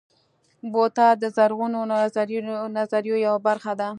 بوتل د زرغونو نظریو یوه برخه ده.